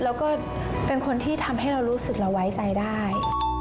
แล้วก็เป็นคนที่ทำให้เรารู้สึกเราไว้ใจได้